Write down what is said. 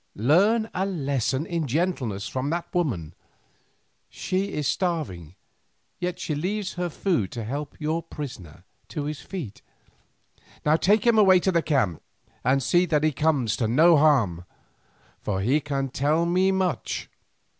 Learn a lesson in gentleness from that woman; she is starving, yet she leaves her food to help your prisoner to his feet. Now take him away to the camp, and see that he comes to no harm, for he can tell me much."